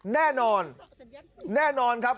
แน่นอนแน่นอนครับ